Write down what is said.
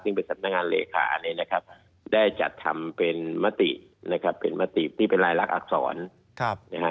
ซึ่งเป็นสำนักงานเลขาได้จัดทำเป็นมติที่เป็นรายลักษณ์อักษร